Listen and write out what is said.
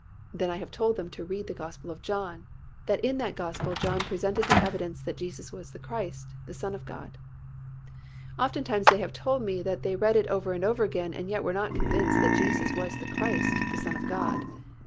Then I have told them to read the Gospel of John, that in that Gospel John presented the evidence that Jesus was the Christ, the Son of God. Oftentimes they have told me they have read it over and over again, and yet were not convinced that Jesus was the Christ, the Son of God.